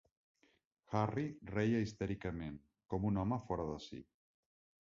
Harry reia histèricament, com un home fora de si.